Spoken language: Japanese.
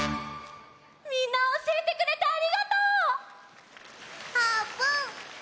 みんなおしえてくれてありがとう！